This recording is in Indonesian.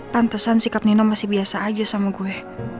pantesan sikap nino masih biasa aja sama gue